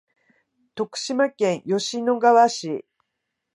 徳島県吉野川市